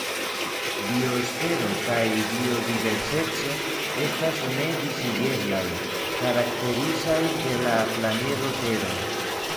Biosfero kaj biodiverseco estas ne disigeblaj, karakterizaj de la planedo Tero.